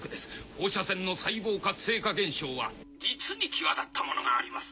放射線の細胞活性化現象は実に際立ったものがあります